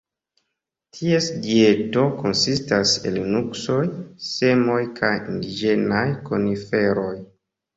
Ties dieto konsistas el nuksoj, semoj kaj indiĝenaj koniferoj.